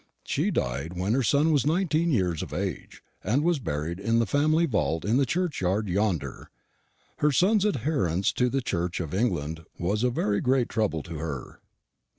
She died when her son was nineteen years of age, and was buried in the family vault in the churchyard yonder. Her son's adherence to the Church of England was a very great trouble to her.